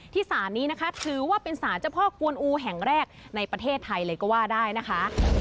สารนี้นะคะถือว่าเป็นสารเจ้าพ่อกวนอูแห่งแรกในประเทศไทยเลยก็ว่าได้นะคะ